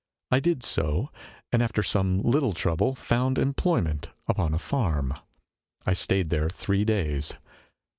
I did so, and after some little trouble found employment upon a farm. I stayed there three days.